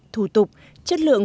thu tục chất lượng